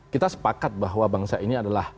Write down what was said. kita sepakat bahwa bangsa ini adalah